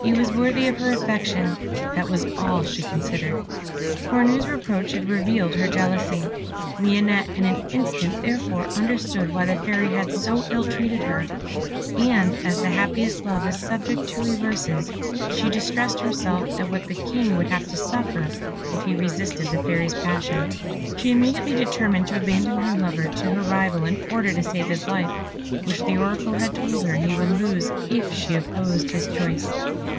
He was worthy of her affection that was all she considered. Cornue's reproaches had revealed her jealousy. Lionette in an instant therefore understood why the Fairy had so ill treated her; and as the happiest love is subject to reverses, she distressed herself at what the King would have to suffer if he resisted the Fairy's passion. She immediately determined to abandon her lover to her rival in order to save his life, which the Oracle had told her he would lose if she opposed his choice.